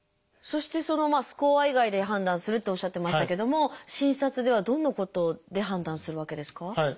そしてそのスコア以外で判断するっておっしゃってましたけども診察ではどんなことで判断するわけですか？